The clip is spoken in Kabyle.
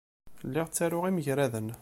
Lliɣ ttaruɣ imagraden.